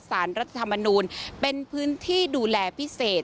สารรัฐธรรมนูลเป็นพื้นที่ดูแลพิเศษ